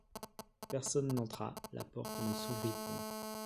Personne n’entra ; la porte ne s’ouvrit point.